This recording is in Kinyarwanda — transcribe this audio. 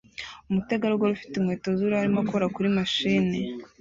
Umutegarugori ufite inkweto z'uruhu arimo akora kuri mashini